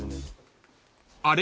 ［あれ？